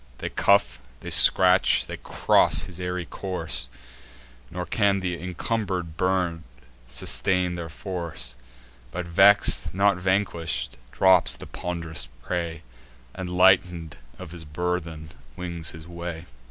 They cuff, they scratch, they cross his airy course; Nor can th' incumber'd bird sustain their force; But vex'd, not vanquish'd, drops the pond'rous prey, And, lighten'd of his burthen, wings his way.